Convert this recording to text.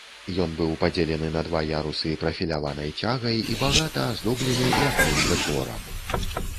Ён быў падзелены на два ярусы прафіляванай цягай і багата аздоблены ляпным дэкорам.